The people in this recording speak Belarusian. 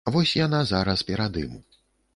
Вось яна зараз перад ім.